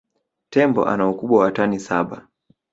Tembo ana ukubwa wa tani saba